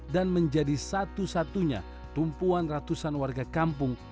dan menjadi satu satunya tumpuan ratusan warga kampung